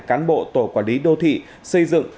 cán bộ tổ quản lý đô thị xây dựng